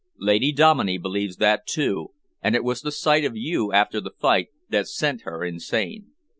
Lady Dominey believes that, too, and it was the sight of you after the fight that sent her insane.